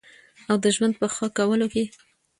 او د ژوند په ښه کولو کې